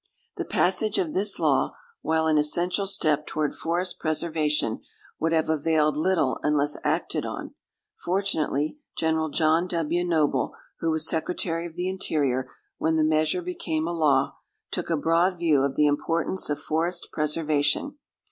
The passage of this law, while an essential step toward forest preservation, would have availed little unless acted on. Fortunately, General John W. Noble, who was Secretary of the Interior when the measure became a law, took a broad view of the importance of forest preservation.